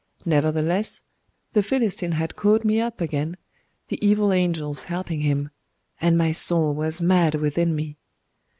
Nevertheless, by night the Philistine had caught me up again, the evil angels helping him; and my soul was mad within me.